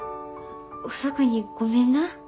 遅くにごめんな。